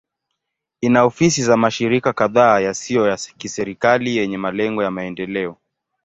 Ina ofisi za mashirika kadhaa yasiyo ya kiserikali yenye malengo ya maendeleo.